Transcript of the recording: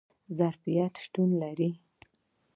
ظرفیت شتون لري